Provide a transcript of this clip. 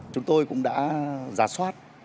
chúng tôi cũng đã giả soát